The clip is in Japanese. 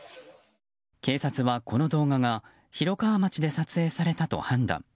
警察はこの動画が広川町で撮影されたと判断。